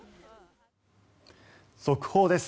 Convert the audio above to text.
速報です。